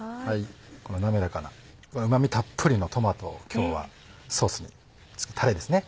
この滑らかなうま味たっぷりのトマトを今日はたれですね。